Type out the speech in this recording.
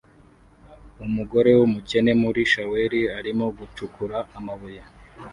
Umugore wumukene muri shaweli arimo gucukura amabuye